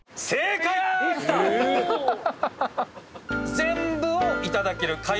全部をいただける開運